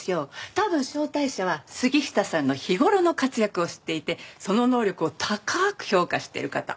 多分招待者は杉下さんの日頃の活躍を知っていてその能力を高く評価してる方。